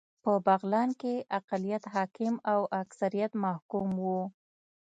په بغلان کې اقلیت حاکم او اکثریت محکوم و